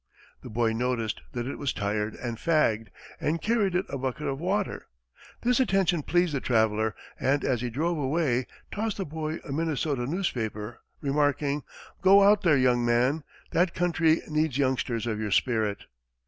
The boy noticed that it was tired and fagged and carried it a bucket of water. This attention pleased the traveler, and as he drove away, tossed the boy a Minnesota newspaper, remarking, "Go out there, young man. That country needs youngsters of your spirit."